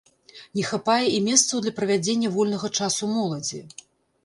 Не хапае і месцаў для правядзення вольнага часу моладзі.